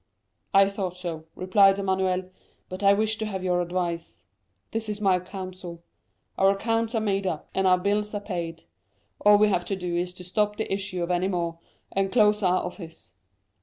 "'I thought so,' replied Emmanuel; 'but I wished to have your advice.' "'This is my counsel:—Our accounts are made up and our bills paid; all we have to do is to stop the issue of any more, and close our office.